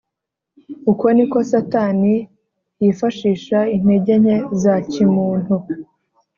. Uko ni ko Satani yifashisha intege nke za kimuntu